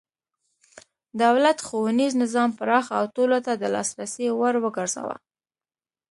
دولت ښوونیز نظام پراخ او ټولو ته د لاسرسي وړ وګرځاوه.